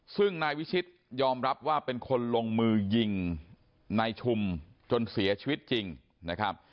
ซึ่งนายวิชิตยอมรับว่าเป็นคนลงมือยิงนายชุมจนเสียชีวิตจริงนะครับ